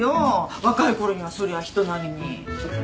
若いころにはそりゃ人並みに。